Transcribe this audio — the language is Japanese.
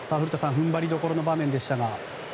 踏ん張りどころの場面でしたが。